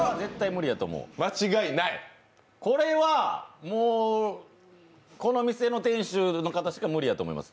これはもうこの店の店主の方しか無理やと思います。